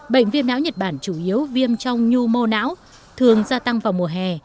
bệnh viêm não nhật bản chủ yếu viêm trong nhu mô não thường gia tăng vào mùa hè